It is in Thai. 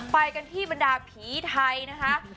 ไปกันที่บรรดาผีไทยนะคะ